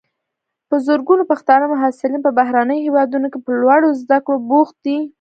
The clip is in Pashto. په زرګونو پښتانه محصلین په بهرنیو هیوادونو کې په لوړو زده کړو بوخت دي.